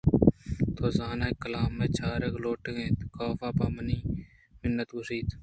تو زاناں کلام ءَ چارگ لوٹ اِت ؟ کاف ءَپہ منّت گوٛشت کہ